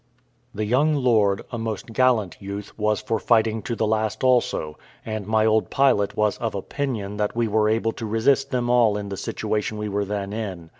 The young lord, a most gallant youth, was for fighting to the last also; and my old pilot was of opinion that we were able to resist them all in the situation we were then in.